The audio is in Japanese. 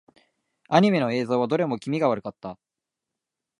アニメの映像はどれも気味が悪かった。